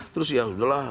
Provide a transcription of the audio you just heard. terus yaudah lah